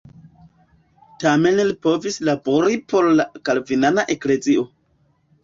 Tamen li povis labori por la kalvinana eklezio.